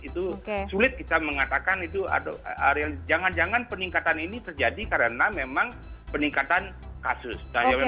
itu sulit kita mengatakan itu jangan jangan peningkatan ini terjadi karena memang peningkatan kasus